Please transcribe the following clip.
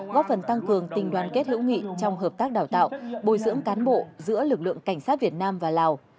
góp phần tăng cường tình đoàn kết hữu nghị trong hợp tác đào tạo bồi dưỡng cán bộ giữa lực lượng cảnh sát việt nam và lào